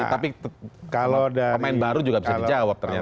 tapi kalau pemain baru juga bisa dijawab ternyata